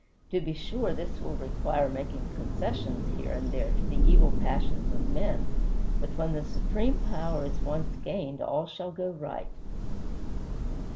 To be sure, this will require making concession here and there to the evil passions of men, but when the supreme power is once gained all shall go right.